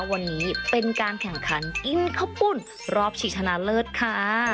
วันนี้เป็นการแข่งขันอินข้าวปุ่นรอบชิงชนะเลิศค่ะ